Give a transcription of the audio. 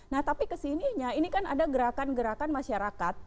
nah tapi kesininya ini kan ada gerakan gerakan masyarakat